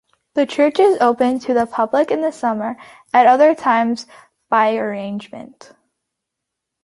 The church is open to the public in summer, at other times by arrangement.